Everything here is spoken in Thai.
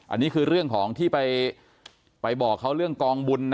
อันนี้คือเรื่องของที่ไปบอกเขาเรื่องกองบุญนะ